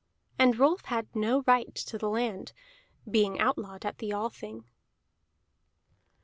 And Rolf had no right to the land, being outlawed at the Althing.